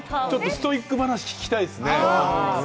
ストイック話、聞きたいですね。